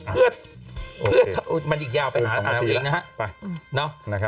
เพื่อมันอีกยาวไปหาตัวเองนะฮะ